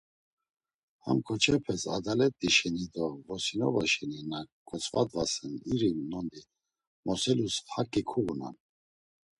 Ham ǩoçepes, adalet̆i şena do vrosinoba şena na ǩotzvadvasen iri nondi moselus haǩi kuğunan.